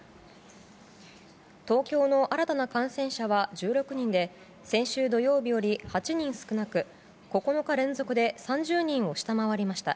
東京の新たな感染者は１６人で先週土曜日より８人少なく９日連続で３０人を下回りました。